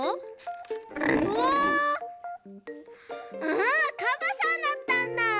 あカバさんだったんだ。